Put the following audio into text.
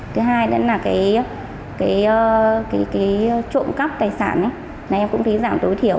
thứ hai nữa là cái trộm cắp tài sản này em cũng thấy giảm tối thiểu